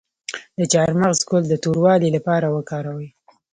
د چارمغز ګل د توروالي لپاره وکاروئ